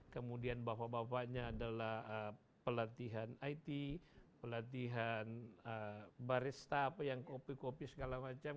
kemudian bapak bapaknya adalah pelatihan it pelatihan barista apa yang kopi kopi segala macam